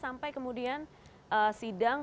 sampai kemudian sidang